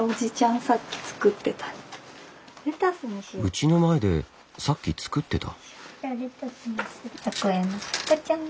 うちの前でさっき作ってた？